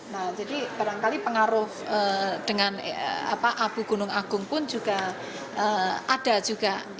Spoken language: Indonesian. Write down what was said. nah jadi barangkali pengaruh dengan abu gunung agung pun juga ada juga